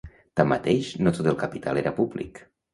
Tanmateix, no tot el capital era públic.